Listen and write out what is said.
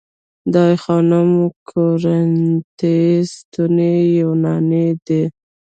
د آی خانم کورینتی ستونې یوناني دي